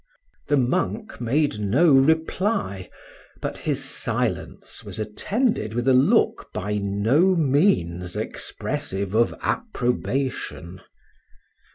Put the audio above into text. The monk made no reply, but his silence was attended with a look by no means expressive of approbation.